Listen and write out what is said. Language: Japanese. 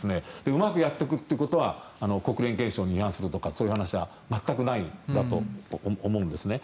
うまくやっていくということは国連憲章に違反するとかそういう話は全くないんだと思うんですね。